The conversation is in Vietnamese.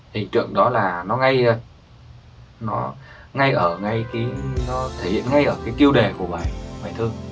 hình tượng đó là nó ngay ở nó thể hiện ngay ở cái kiêu đề của bài thơ